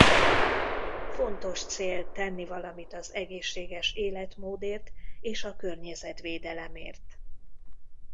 Fontos cél tenni valamit az egészséges életmódért és a környezetvédelemért.